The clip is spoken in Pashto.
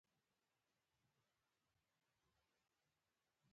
زده کوونکي دې د حضرت محمد ص په اړه لیکنه وکړي.